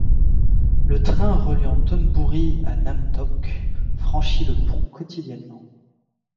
Le train reliant Thonburi à Nam Tok franchit le pont quotidiennement.